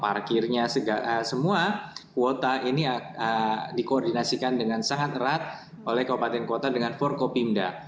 bahkan dari mulai ruang parkirnya semua kuota ini dikoordinasikan dengan sangat erat oleh kabupaten kota dengan forkopimda